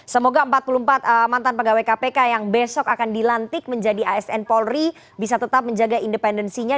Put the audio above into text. semoga empat puluh empat mantan pegawai kpk yang besok akan dilantik menjadi asn polri bisa tetap menjaga independensinya